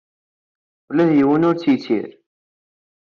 Ula d yiwen ur tt-yettir.